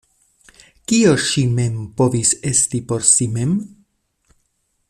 Kio ŝi mem povis esti por si mem?